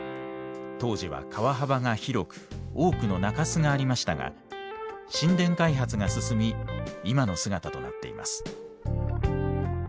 当時は川幅が広く多くの中州がありましたが新田開発が進み今の姿となっています。